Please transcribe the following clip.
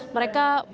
mereka diterangi oleh